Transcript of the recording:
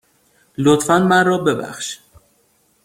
لطفاً من را ببخش.